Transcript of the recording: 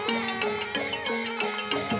อ่าอ่าอ่า